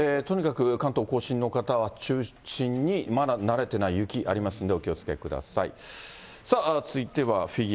とにかく関東甲信の方を中心に、まだ慣れてない、雪ありますので、お気をつけください。